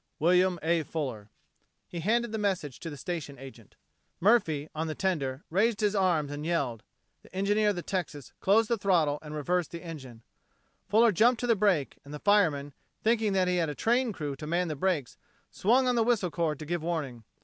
"WILLIAM A. FULLER." He handed the message to the station agent. Murphy, on the tender, suddenly raised his arms and yelled. The engineer of the Texas closed the throttle, and reversed the engine. Fuller jumped to the brake; and the fireman, thinking that he had a train crew to man the brakes, swung on the whistle cord to give warning.